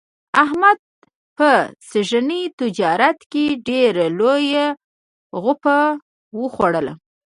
احمد په سږني تجارت کې ډېره لویه غوپه و خوړله.